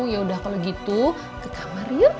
yaudah kalau gitu ke kamar yuk